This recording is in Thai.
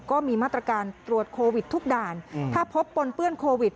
ก็มีมาตรการตรวจโควิดทุกด่านถ้าพบปนเปื้อนโควิด